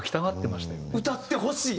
歌ってほしいと？